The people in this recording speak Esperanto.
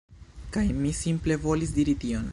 Kaj mi simple volis diri tion.